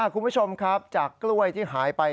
คุณผู้ชมครับจากกล้วยที่หายไป